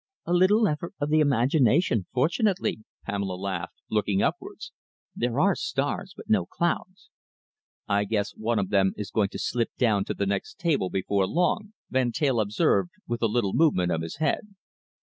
"A little effort of the imagination, fortunately," Pamela laughed, looking upwards. "There are stars, but no clouds." "I guess one of them is going to slip down to the next table before long," Van Teyl observed, with a little movement of his head.